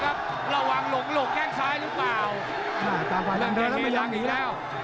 กลางต่างกว่าอย่าย่อมหนีน่ะ